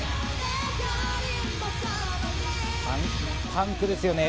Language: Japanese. パンクですよね。